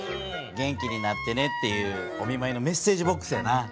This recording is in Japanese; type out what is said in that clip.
元気になってねっていうおみまいのメッセージボックスやな。